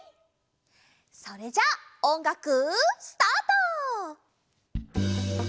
それじゃあおんがくスタート！